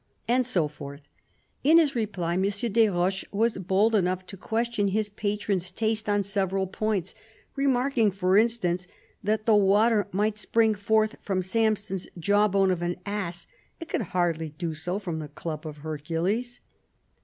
And so forth. In his reply, M. des Roches was bold enough to question his patron's taste on several points; remarking, for instance, that though water might spring forth from Samson's jawbone of an ass, it could hardly do so from the club of Hercules.